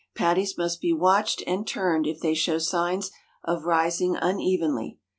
Patties must be watched, and turned if they show signs of rising unevenly.